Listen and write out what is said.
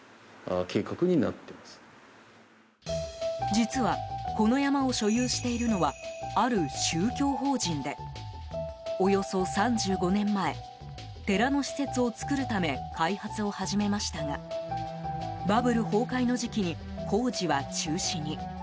実はこの山を所有しているのはある宗教法人でおよそ３５年前寺の施設を作るため開発を始めましたがバブル崩壊の時期に工事は中止に。